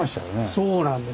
そうなんです。